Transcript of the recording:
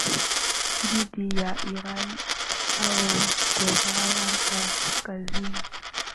dhidi ya Iran au Korea Kaskazini